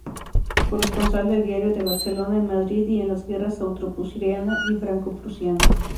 Corresponsal del "Diario de Barcelona" en Madrid y en las guerras austroprusiana y francoprusiana.